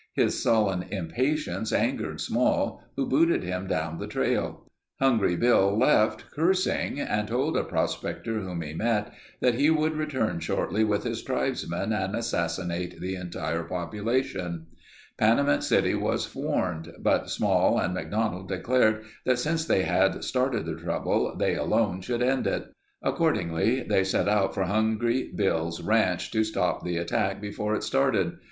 His sullen impatience angered Small who booted him down the trail. Hungry Bill left cursing and told a prospector whom he met that he would return shortly with his tribesmen and assassinate the entire population. Panamint City was warned but Small and McDonald declared that since they had started the trouble, they alone should end it. Accordingly, they set out for Hungry Bill's ranch to stop the attack before it started.